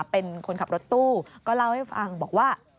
เป็นคนขับรถตู้ก็เล่าให้ฟังบอกว่า